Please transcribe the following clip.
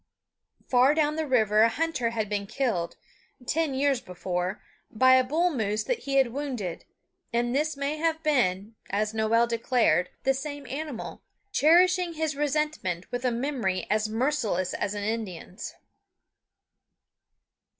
Far down the river a hunter had been killed, ten years before, by a bull moose that he had wounded; and this may have been, as Noel declared, the same animal, cherishing his resentment with a memory as merciless as an Indian's.